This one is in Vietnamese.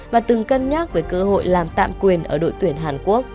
và từng cân nhắc về cơ hội làm tạm quyền ở đội tuyển hàn quốc